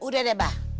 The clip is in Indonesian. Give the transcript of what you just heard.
udah deh bah